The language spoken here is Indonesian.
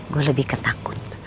gue lebih ketakut